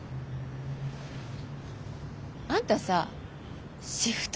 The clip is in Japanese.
あんたさシフト